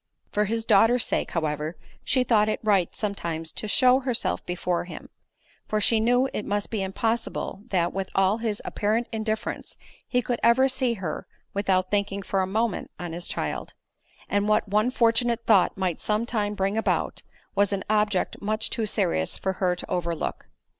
For his daughter's sake, however, she thought it right sometimes to shew herself before him; for she knew it must be impossible that, with all his apparent indifference, he could ever see her without thinking for a moment on his child; and what one fortunate thought might some time bring about, was an object much too serious for her to overlook.